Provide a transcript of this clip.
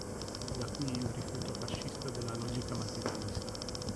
Da qui il rifiuto fascista della logica materialista.